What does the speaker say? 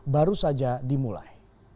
baru saja dimulai